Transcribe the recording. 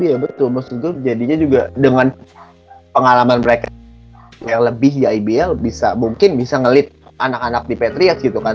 iya betul maksudnya jadinya juga dengan pengalaman mereka yang lebih ya ibl bisa mungkin bisa ngelit anak anak di patriots gitu kan